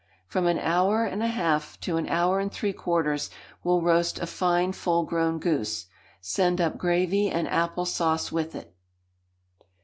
From an hour and a half to an hour and three quarters will roast a fine full grown goose. Send up gravy and apple sauce with it.